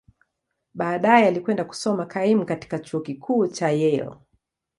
Baadaye, alikwenda kusoma kaimu katika Chuo Kikuu cha Yale.